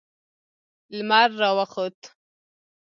لمر راوخوت